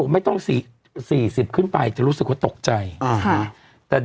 ไม่ต้องกลัวนะคะ